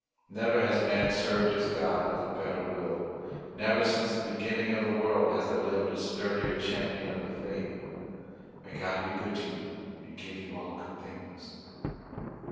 Never has man served his God with a better will, never since the beginning of the world has there lived a sturdier champion of the faith. May God be good to you and give you all good things!"